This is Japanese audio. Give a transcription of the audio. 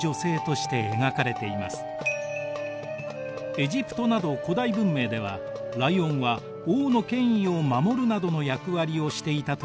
エジプトなど古代文明ではライオンは王の権威を守るなどの役割をしていたといわれています。